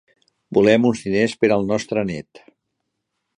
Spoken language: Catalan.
Volem uns diners per al nostre net.